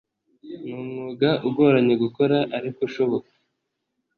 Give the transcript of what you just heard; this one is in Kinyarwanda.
Ni Umwuga ugoranye gukora ariko ushoboka